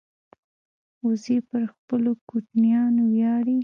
وزې پر خپلو کوچنیانو ویاړي